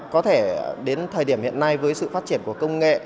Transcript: có thể đến thời điểm hiện nay với sự phát triển của công nghệ